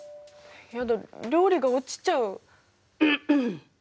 やだ料理が落ちちゃう。